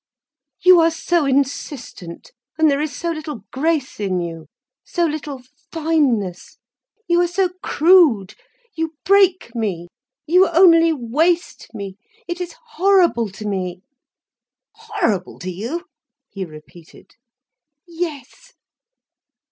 "You are so insistent, and there is so little grace in you, so little fineness. You are so crude. You break me—you only waste me—it is horrible to me." "Horrible to you?" he repeated. "Yes.